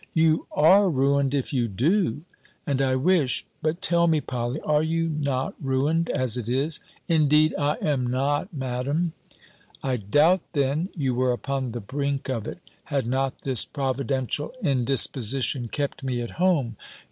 "You are ruined if you do! And I wish But tell me, Polly, are you not ruined as it is?" "Indeed I am not, Madam." "I doubt, then, you were upon the brink of it, had not this providential indisposition kept me at home.